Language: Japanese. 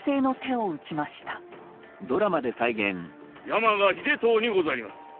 山鹿秀遠にございます。